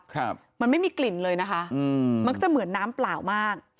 ครับมันไม่มีกลิ่นเลยนะคะอืมมักจะเหมือนน้ำเปล่ามาก